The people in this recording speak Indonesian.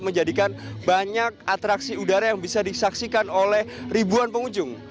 menjadikan banyak atraksi udara yang bisa disaksikan oleh ribuan pengunjung